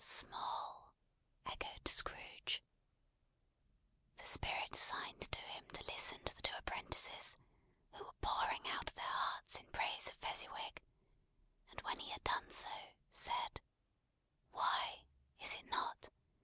"Small!" echoed Scrooge. The Spirit signed to him to listen to the two apprentices, who were pouring out their hearts in praise of Fezziwig: and when he had done so, said, "Why! Is it not?